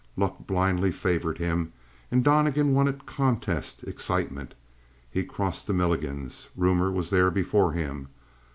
Luck blindly favored him, and Donnegan wanted contest, excitement. He crossed to Milligan's. Rumor was there before him.